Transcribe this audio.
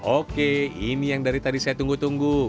oke ini yang dari tadi saya tunggu tunggu